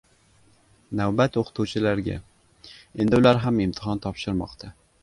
Navbat o‘qituvchilarga: endi ular ham imtihon topshirmoqda